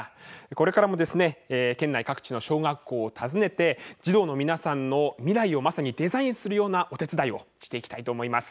これからも県内各地の小学校を訪ねて児童の皆さんの未来をまさにデザインするようなお手伝いをしていきたいと思います。